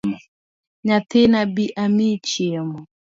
Nyathina bi amiyi chiemo.